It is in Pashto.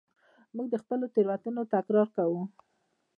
موږ د خپلو تېروتنو تکرار کوو.